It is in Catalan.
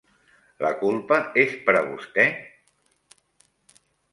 La culpa és per a vostè?